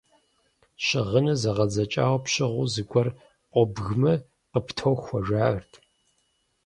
Щыгъыныр зэгъэдзэкӀауэ пщыгъыу зыгуэр къобгмэ, къыптохуэ, жаӀэрт.